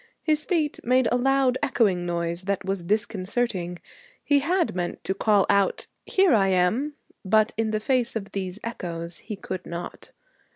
His feet made a loud echoing noise that was disconcerting. He had meant to call out, 'Here I am!' But in the face of these echoes he could not.